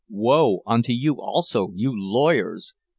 '—'Woe unto you also, you lawyers!